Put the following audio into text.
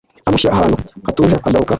amushyira ahantu hatuje aragaruka.